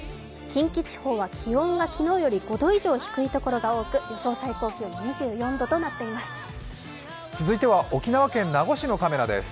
近畿地方は気温が昨日より５度以上低い所が多く予想最高気温２４度となっています。